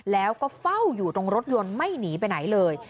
แล้วก็เฝ้าอยู่ตรงรถยนต์ไม่หนีไปไหนเลย